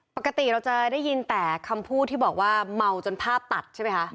ปกติเราจะได้ยินแต่คำพูดที่บอกว่าเมาจนภาพตัดใช่ไหมคะ